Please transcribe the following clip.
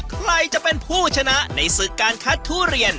ใครจะเป็นผู้ชนะในศึกการคัดทุเรียน